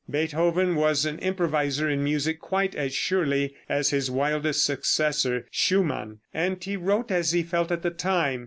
Beethoven was an improviser in music, quite as surely as his wildest successor, Schumann, and he wrote as he felt at the time.